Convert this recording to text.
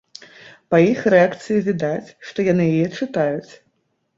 Па іх рэакцыі відаць, што яны яе чытаюць.